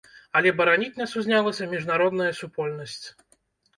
Але бараніць нас узнялася міжнародная супольнасць.